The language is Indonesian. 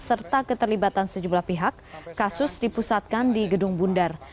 serta keterlibatan sejumlah pihak kasus dipusatkan di gedung bundar